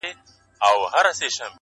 • پر بچو د توتکۍ چي یې حمله کړه -